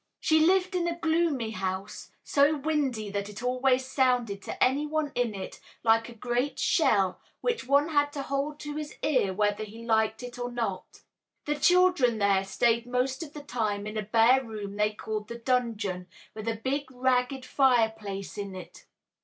She lived in a gloomy house, so windy that it always sounded to any one in it like a great shell which one had to hold to his ear whether he liked it or not. The children there stayed most of the time in a bare room they called "the dungeon," with a big ragged fireplace in it.